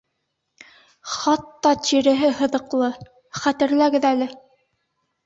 Хатта тиреһе һыҙыҡлы... хәтерләгеҙ әле.